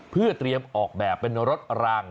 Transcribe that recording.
เพื่อเตรียมออกแบบเป็นรถราง